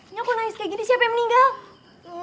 nya kok naik kayak gini siapa yang meninggal